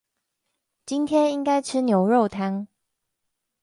今天應該吃牛肉湯